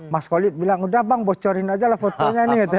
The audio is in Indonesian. mas koli bilang udah bang bocorin aja lah fotonya nih